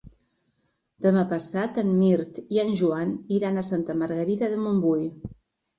Demà passat en Mirt i en Joan iran a Santa Margarida de Montbui.